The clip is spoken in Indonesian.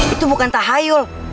itu bukan tahayul